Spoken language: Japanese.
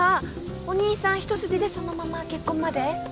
お兄さん一筋でそのまま結婚まで？